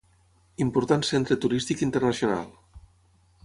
Important centre turístic internacional.